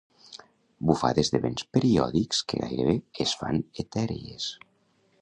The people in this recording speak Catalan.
Bufades de vents periòdics que gairebé es fan etèries.